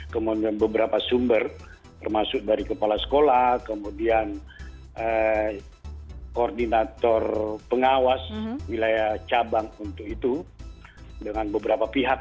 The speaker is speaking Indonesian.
kemudian beberapa sumber termasuk dari kepala sekolah kemudian koordinator pengawas wilayah cina